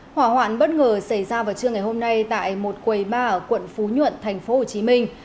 hỏa hoạn bất ngờ xảy ra vào trưa ngày hôm nay tại một quầy ba ở quận phú nhuận thành phố hồ chí minh